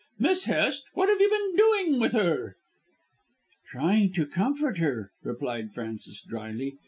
Miss Hest, what have you been doing with her?" "Trying to comfort her," replied Frances drily.